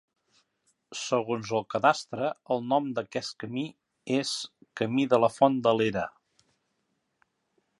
Segons el Cadastre, el nom d'aquest camí és Camí de la Font de l'Era.